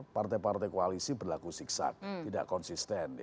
partai partai koalisi berlaku siksa tidak konsisten